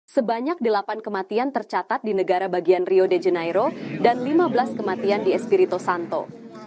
sebanyak delapan kematian tercatat di negara bagian rio de janeiro dan lima belas kematian di espirito santo